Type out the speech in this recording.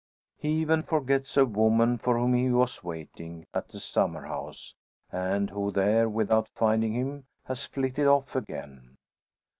He even forgets a woman, for whom he was waiting at the summer house, and who there without finding him has flitted off again.